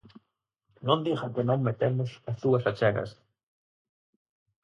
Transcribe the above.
Non diga que non metemos as súas achegas.